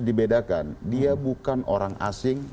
dibedakan dia bukan orang asing